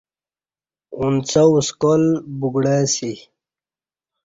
ا نڅھو سکال بگڑ ہ اسی